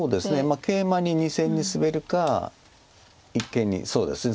ケイマに２線にスベるか一間にそうですね